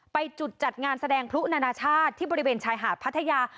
ไปจุดจัดงานแสดงพลุนานาชาติที่บริเวณชายหาดพัทยา